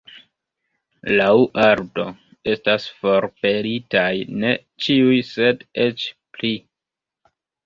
Laŭ Aldo estas forpelitaj ne ĉiuj sed eĉ pli.